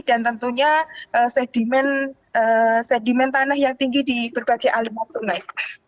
dan tentunya sedimen tanah yang tinggi di berbagai aliran sungai